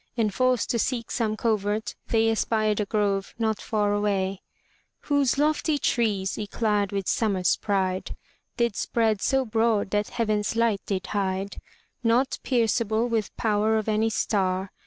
Enforced to seek some covert, they espied a grove not far away, Whose lofty trees, yclad with summer* s pride. Did spread so broad that heaven's light did hide, Not pierceable with power of any star.